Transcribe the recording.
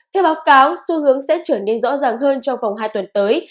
theo báo cáo xu hướng sẽ trở nên rõ ràng hơn trong vòng hai tuần tới